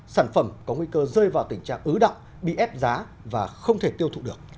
sản phẩm có nguy cơ rơi vào tình trạng ứ động bị ép giá và không thể tiêu thụ được